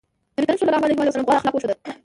نبي کريم ص غوره اخلاق وښودل.